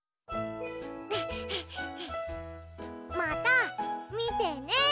また見てね。